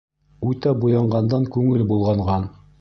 Үтә буянғандан күңел болғанған.